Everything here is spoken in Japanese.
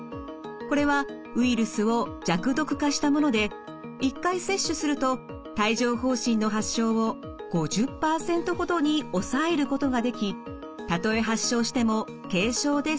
これはウイルスを弱毒化したもので１回接種すると帯状ほう疹の発症を５０％ほどに抑えることができたとえ発症しても軽症で済みます。